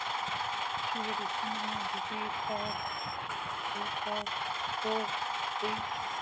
چې روسي نوم ئې Bratstvoدے